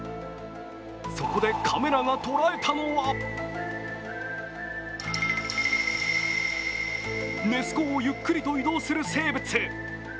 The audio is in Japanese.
そこでカメラが捉えたのはネス湖をゆっくりと移動する生物。